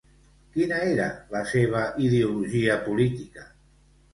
Quina era la seva ideologia política?